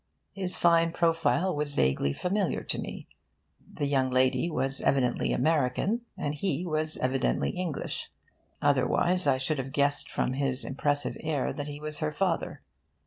His fine profile was vaguely familiar to me. The young lady was evidently American, and he was evidently English; otherwise I should have guessed from his impressive air that he was her father.